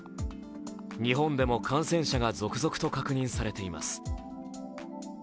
日本でも感染者が続々と確認されています。